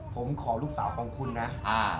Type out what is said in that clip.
ผมขอลูกสาวของคุณนะ